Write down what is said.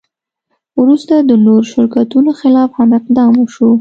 وروسته د نورو شرکتونو خلاف هم اقدام وشو.